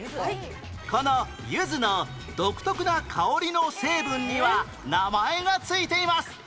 このゆずの独特な香りの成分には名前が付いています